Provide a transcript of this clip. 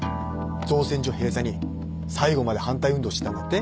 造船所閉鎖に最後まで反対運動してたんだって？